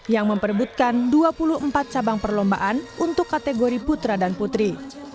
yang memperbutkan dua puluh empat cabang perlombaan untuk kategori putra dan putri